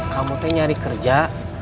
kamu teh nyari kerja